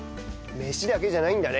飯だけじゃないんだね。